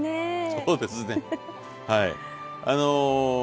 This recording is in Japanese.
そうですねはい。